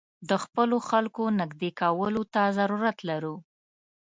د خپلو خلکو نېږدې کولو ته ضرورت لرو.